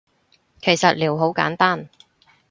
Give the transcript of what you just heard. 其實撩好簡單